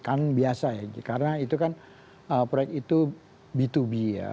kan biasa ya karena itu kan proyek itu b dua b ya